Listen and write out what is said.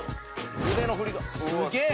腕の振りがすげえ。